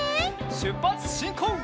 しゅっぱつしんこう！